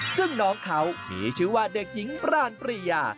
ซึ่งน้องเขามีชื่อว่าเด็กหญิงปรานปริยา